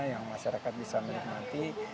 yang masyarakat bisa menikmati